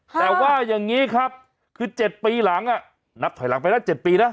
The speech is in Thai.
แต่ว่าอย่างนี้ครับคือ๗ปีหลังนับถอยหลังไปนะ๗ปีนะ